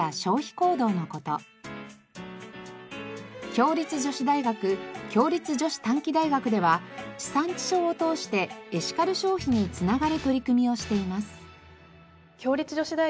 共立女子大学・共立女子短期大学では地産地消を通してエシカル消費に繋がる取り組みをしています。